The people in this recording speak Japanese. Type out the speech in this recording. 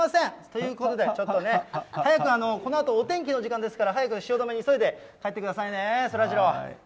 ということで、早くこのあと、お天気の時間ですから、速く汐留に急いで、帰ってくださいね、そらジロー。